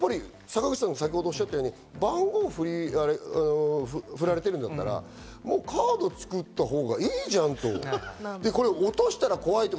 そこの部分で坂口さんが先ほどおっしゃったように番号振られてるなら、もうカードを作ったほうがいいじゃんと。